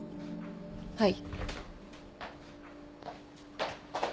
はい。